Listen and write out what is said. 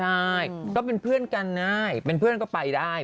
ใช่ก็เป็นเพื่อนกันได้เป็นเพื่อนก็ไปได้